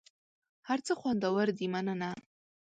هر څه خوندور دي مننه .